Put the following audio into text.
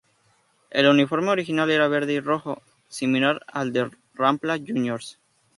El uniforme original era verde y rojo, similar al de Rampla Juniors.